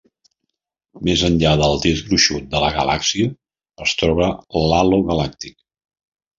Més enllà del disc gruixut de la galàxia es troba l'halo galàctic.